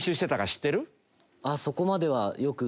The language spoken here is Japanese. そこまではよく。